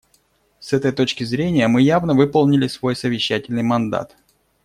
С этой точки зрения, мы явно выполнили свой совещательный мандат.